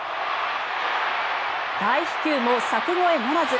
大飛球も柵越えならず。